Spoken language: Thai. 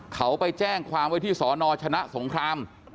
เขาไปแจ้งความไว้ที่สนชนะสงคราม